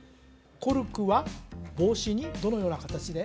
コルクは帽子にどのような形で？